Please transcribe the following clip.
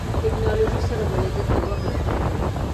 ټکنالوژۍ سره بلدیت د وخت غوښتنه ده.